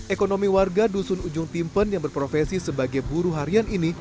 ekonomi warga dusun ujung timpen yang berprofesi sebagai buruh harian ini